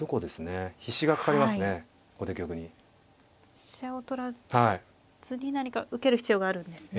飛車を取らずに何か受ける必要があるんですね。